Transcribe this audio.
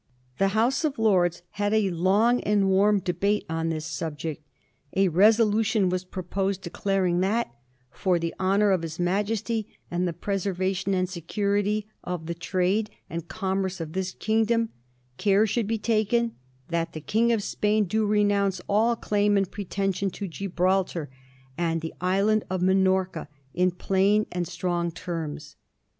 The House of Lords had a long and warm debate on this subject. A resolution was proposed declaring that *for the honour of his Majesty, and the preservation and security of the trade and commerce of this kingdom,' care should be taken ^ that the King of Spain do renounce all claim and pretension to Gibraltar and the island of Minorca, in plain and strong terms.'